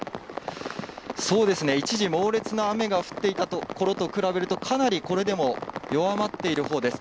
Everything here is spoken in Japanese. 一時、猛烈な雨が降っていたころと比べると、かなりこれでも弱まっているほうです。